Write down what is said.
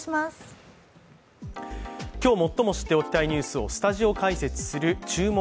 今日、最も知っておきたいニュースをスタジオ解説する「注目！